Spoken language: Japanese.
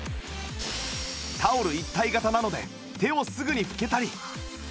タオル一体型なので手をすぐに拭けたり